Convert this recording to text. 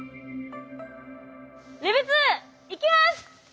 ＬＥＶ−２いきます！